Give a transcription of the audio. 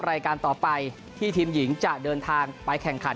รายการต่อไปที่ทีมหญิงจะเดินทางไปแข่งขัน